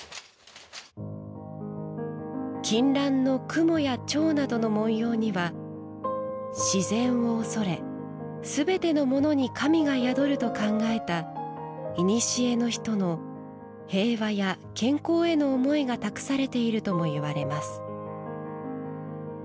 金襴の雲や蝶などの文様には自然を畏れすべてのものに神が宿ると考えたいにしえの人の平和や健康への思いが託されているともいわれます。